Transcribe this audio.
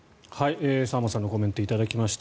沢松さんのコメント頂きました。